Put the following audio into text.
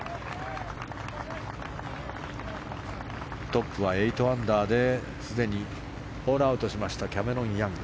トップは８アンダーですでにホールアウトしましたキャメロン・ヤング。